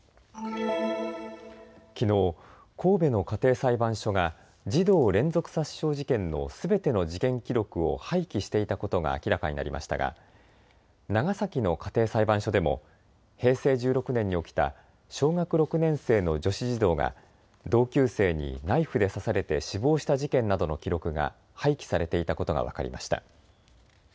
きのう、神戸の家庭裁判所が児童連続殺傷事件のすべての事件記録を廃棄していたことが明らかになりましたが長崎の家庭裁判所でも平成１６年に起きた小学６年生の女子児童が同級生にナイフで刺されて死亡した事件などの記録が廃棄されていたことが分かりました。